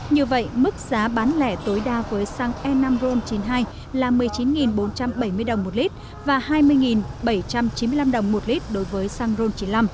như vậy mức giá bán lẻ tối đa với xăng e năm ron chín mươi hai là một mươi chín bốn trăm bảy mươi đồng một lít và hai mươi bảy trăm chín mươi năm đồng một lít đối với xăng ron chín mươi năm